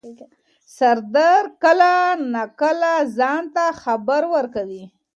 سردرد کله نا کله ځان ته خبر ورکوي.